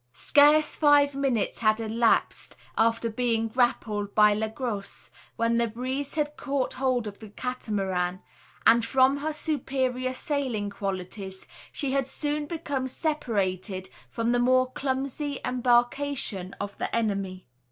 Scarce five minutes had elapsed, after being grappled by Le Gros, when the breeze had caught hold of the Catamaran; and, from her superior sailing qualities, she had soon become separated from the more clumsy embarkation of the enemy.